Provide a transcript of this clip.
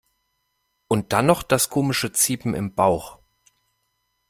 Und dann noch das komische Ziepen im Bauch.